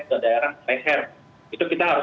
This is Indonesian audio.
ke daerah leher itu kita harus